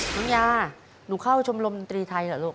น้องยาหนูเข้าชมรมดนตรีไทยเหรอลูก